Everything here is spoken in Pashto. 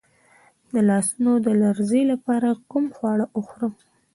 د لاسونو د لرزې لپاره کوم خواړه وخورم؟